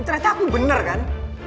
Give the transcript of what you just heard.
ternyata aku bener kan